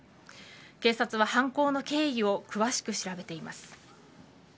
警察は犯行の経緯を詳しく調べています。